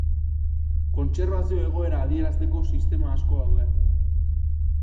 Kontserbazio egoera adierazteko sistema asko daude.